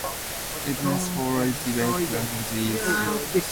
The evidence for lazy bed cultivation is still visible.